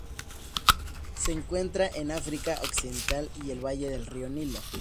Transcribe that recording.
Se encuentra en África occidental y el valle del río Nilo.